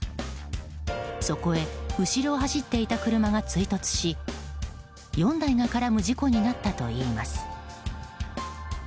そこへ後ろを走っていた車が追突し４台が絡む事故になったといいます。